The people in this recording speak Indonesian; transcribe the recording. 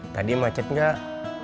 tadi macet gak